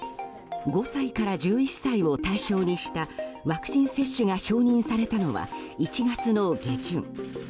５歳から１１歳を対象にしたワクチン接種が承認されたのは１月の下旬。